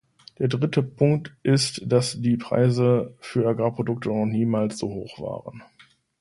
Der dritte Punkt ist, dass die Preise für Agrarprodukte noch niemals so hoch waren.